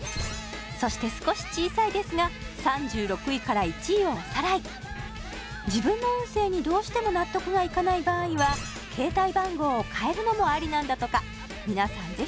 そして少し小さいですが３６位から１位をおさらい自分の運勢にどうしても納得がいかない場合は携帯番号を変えるのもありなんだとか皆さん